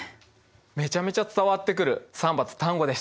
めちゃめちゃ伝わってくるサンバとタンゴでした。